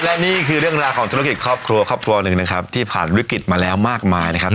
และนี่คือเรื่องราวของธุรกิจครอบครัวครอบครัวหนึ่งนะครับที่ผ่านวิกฤตมาแล้วมากมายนะครับ